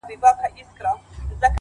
• پر كومه تگ پيل كړم،